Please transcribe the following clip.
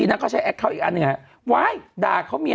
พอดู